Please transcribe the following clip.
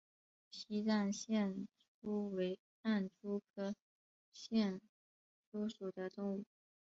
西藏隙蛛为暗蛛科隙蛛属的动物。